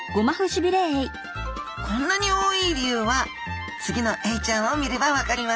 こんなに多い理由は次のエイちゃんを見れば分かります！